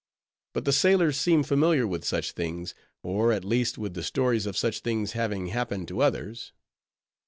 But the sailors seemed familiar with such things; or at least with the stories of such things having happened to others.